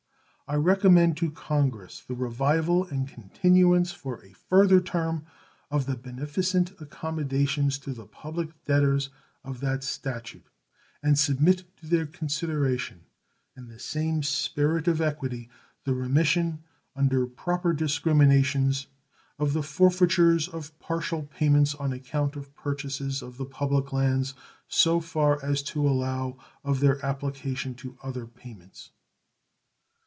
I recommend to Congress the revival and continuance for a further term of the beneficent accommodations to the public debtors of that statute, and submit to their consideration, in the same spirit of equity, the remission, under proper discriminations, of the forfeitures of partial payments on account of purchases of the public lands, so far as to allow of their application to other payments.